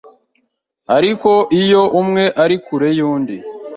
Ariko iyo umwe ari kure y’undi